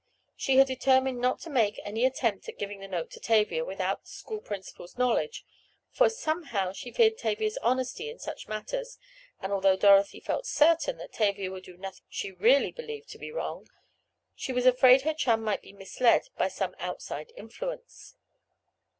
She had determined not to make any attempt at giving the note to Tavia without the school principal's knowledge, for, somehow she feared Tavia's honesty in such matters, and, although Dorothy felt certain that Tavia would do nothing she really believed to be wrong, she was afraid her chum might be misled by some outside influence.